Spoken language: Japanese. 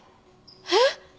えっ？